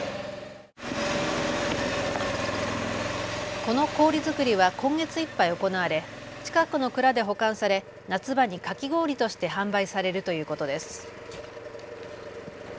この氷作りは今月いっぱい行われ近くの蔵で保管され夏場にかき氷として販売されるということです。